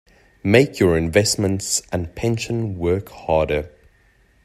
Make your investments and pension work harder.